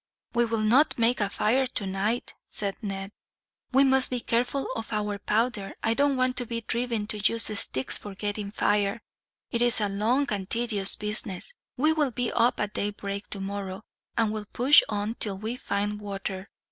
"We will not make a fire tonight," Ned said. "We must be careful of our powder. I don't want to be driven to use sticks for getting fire. It is a long and tedious business. We will be up at daybreak tomorrow, and will push on till we find water.